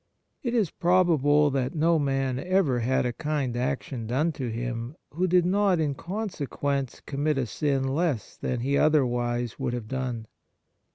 It is probable that no man ever had a kind action done to him who did not in consequence commit a sin less than he otherwise would have done.